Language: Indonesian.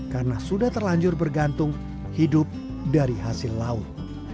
karena sudah terlanjur bergantung hidup dari hasil laut